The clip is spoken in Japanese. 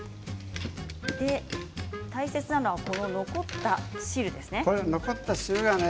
大切なのが残った汁ですね。